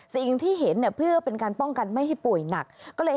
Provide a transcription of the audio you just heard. สิ่งที่เห็นเนี่ยเพื่อเป็นการป้องกันไม่ให้ป่วยหนักก็เลย